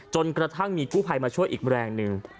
กระทั่งมีกู้ภัยมาช่วยอีกแรงหนึ่ง